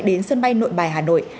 đến sân bay nội bài hà nội